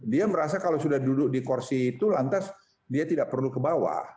dia merasa kalau sudah duduk di kursi itu lantas dia tidak perlu ke bawah